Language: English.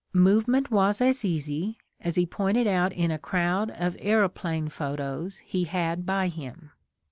Movement was as easy, as he pointed out in a crowd of aeroplane photos he had by him.